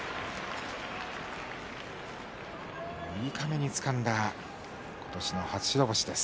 六日目につかんだ今年の初白星です。